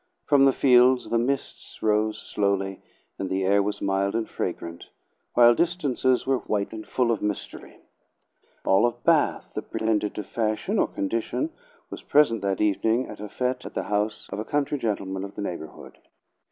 From the fields the mists rose slowly, and the air was mild and fragrant, while distances were white and full of mystery. All of Bath that pretended to fashion or condition was present that evening at a fete at the house of a country gentleman of the neighborhood.